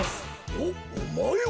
おおまえは！